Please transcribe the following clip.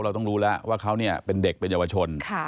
เราต้องรู้แล้วว่าเขาเป็นเด็กเป็นเยาวชน